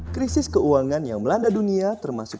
krisis keuangan yang melanda dunia termasuk